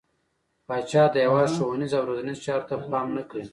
پاچا د هيواد ښونيرو او روزنيزو چارو ته پام نه کوي.